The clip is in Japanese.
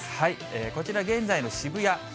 こちら、現在の渋谷。